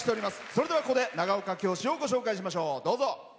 それでは、ここで長岡京市をご紹介しましょう。